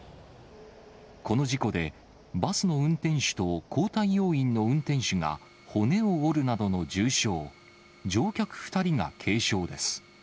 この事故で、バスの運転手と交代要員の運転手が、骨を折るなどの重傷、乗客２人が軽傷です。